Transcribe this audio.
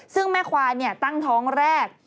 ซึ่งแม่ควายตั้งท้องแรก